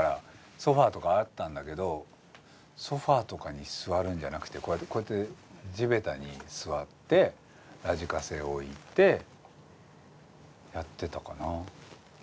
ソファーとかあったんだけどソファーとかに座るんじゃなくてこうやって地べたに座ってラジカセを置いてやってたかな。